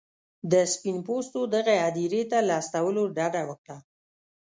د سپین پوستو دغې هدیرې ته له استولو ډډه وکړه.